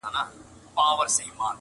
یوه ورځ پر یوه لوی مار وو ختلی!.